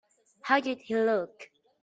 How did he look?